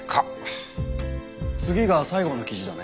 次が最後の記事だね。